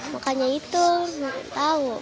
makanya itu nggak tahu